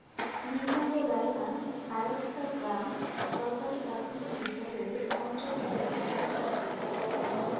নিহত রায়হান কায়স্থ গ্রাম সরকারি প্রাথমিক বিদ্যালয়ের পঞ্চম শ্রেণীর ছাত্র ছিলেন।